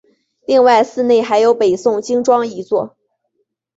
另外寺内还有北宋经幢一座。